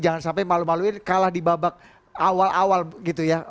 jangan sampai malu maluin kalah di babak awal awal gitu ya